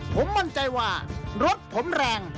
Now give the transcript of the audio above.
ผมมั่นใจว่ารถผมแรง